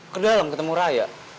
kedalam ketemu raya